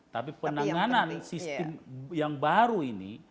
tapi penanganan sistem yang baru ini